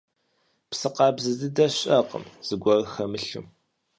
Псы къабзэ дыдэ щыӀэкъым, зыгуэр хэмылъу.